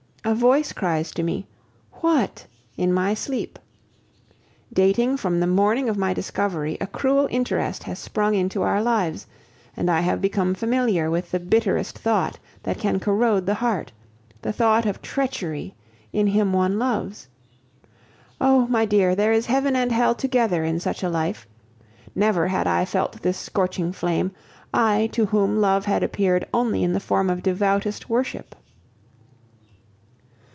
A voice cries to me what? in my sleep. Dating from the morning of my discovery, a cruel interest has sprung into our lives, and I have become familiar with the bitterest thought that can corrode the heart the thought of treachery in him one loves. Oh! my dear, there is heaven and hell together in such a life. Never had I felt this scorching flame, I to whom love had appeared only in the form of devoutest worship.